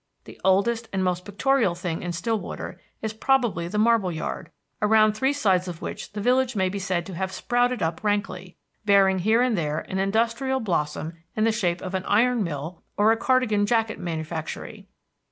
The oldest and most pictorial thing in Stillwater is probably the marble yard, around three sides of which the village may be said to have sprouted up rankly, bearing here and there an industrial blossom in the shape of an iron mill or a cardigan jacket manufactory.